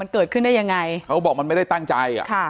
มันเกิดขึ้นได้ยังไงเขาบอกมันไม่ได้ตั้งใจอ่ะค่ะ